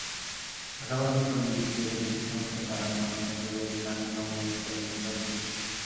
পাশাপাশি সুনির্দিষ্ট ও যুক্তিসংগত কারণে সনদ বাতিলের বিধানও সংযোজিত রয়েছে অধ্যাদেশে।